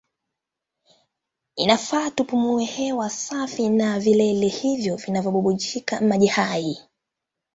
Inafaa tupumue hewa safi ya vilele hivyo vinavyobubujika maji hai.